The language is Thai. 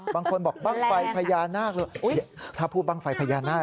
บางคนบอกบ้างไฟพญานาคถ้าพูดบ้างไฟพญานาค